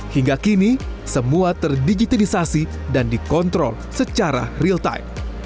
hingga kini semua terdigitisasi dan dikontrol secara real time